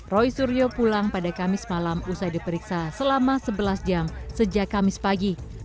roy suryo pulang pada kamis malam usai diperiksa selama sebelas jam sejak kamis pagi